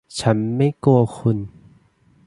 ฉันไม่กลัวคุณ